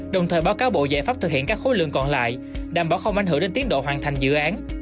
đồng thời báo cáo bộ giải pháp thực hiện các khối lượng còn lại đảm bảo không ảnh hưởng đến tiến độ hoàn thành dự án